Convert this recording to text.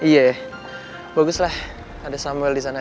iya ya baguslah ada samuel disana ya